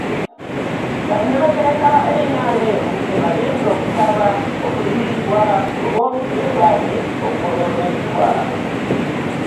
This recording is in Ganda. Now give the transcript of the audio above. Bannamateeka ba NRM ze bagenda okusaba okuliyirirwa olw'obudde bwabwe obwonooneddwa.